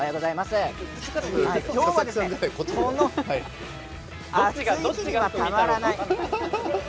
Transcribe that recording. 今日はこの暑い日にはたまらない。